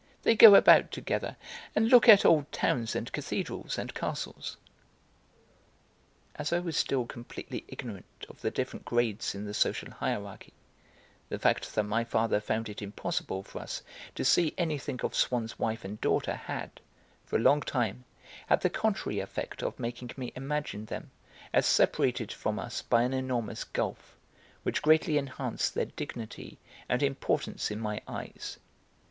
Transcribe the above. They go about together, and look at old towns and cathedrals and castles." As I was still completely ignorant of the different grades in the social hierarchy, the fact that my father found it impossible for us to see anything of Swann's wife and daughter had, for a long time, had the contrary effect of making me imagine them as separated from us by an enormous gulf, which greatly enhanced their dignity and importance in my eyes.